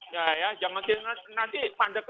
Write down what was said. ya ya jangan nanti pandek lagi enggak